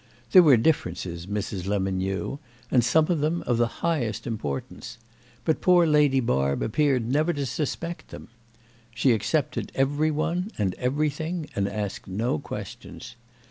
There were differences, Mrs. Lemon knew, and some of them of the highest importance; but poor Lady Barb appeared never to suspect them. She accepted every one and everything and asked no questions.